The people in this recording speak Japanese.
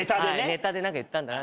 ネタで何か言ったんだな。